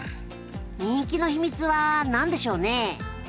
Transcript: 人気の秘密は何でしょうね？